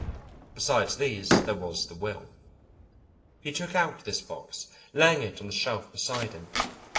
Besides these there was the will. He took out this box, laying it on the shelf beside him.